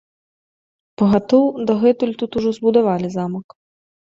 Пагатоў, дагэтуль тут ужо збудавалі замак.